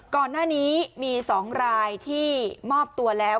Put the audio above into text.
ก่อนหน้านี้มี๒รายที่มอบตัวแล้ว